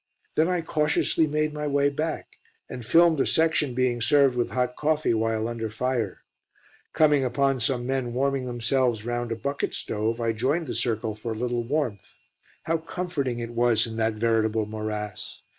Then I cautiously made my way back, and filmed a section being served with hot coffee while under fire. Coming upon some men warming themselves round a bucket stove, I joined the circle for a little warmth. How comforting it was in that veritable morass.